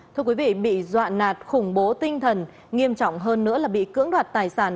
thưa quý vị bị dọa nạt khủng bố tinh thần nghiêm trọng hơn nữa là bị cưỡng đoạt tài sản